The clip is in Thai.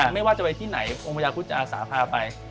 ไม่ว่าจะไปที่ไหนองค์พญาคุธจะอาสาพาไป